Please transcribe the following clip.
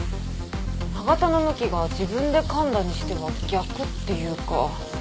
歯形の向きが自分でかんだにしては逆っていうか。